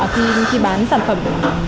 khi bán sản phẩm